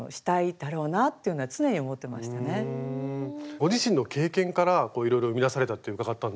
ご自身の経験からいろいろ生み出されたって伺ったんですが。